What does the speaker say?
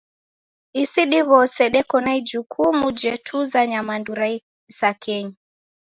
Isi diw'ose deko na ijukumu jetuza nyamandu ra isakenyi.